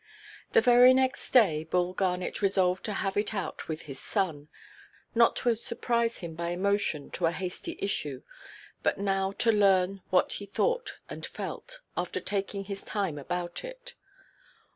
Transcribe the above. The very next day, Bull Garnet resolved to have it out with his son; not to surprise him by emotion to a hasty issue, but now to learn what he thought and felt, after taking his time about it.